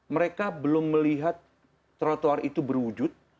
mereka belum melihat trotoar itu berwujud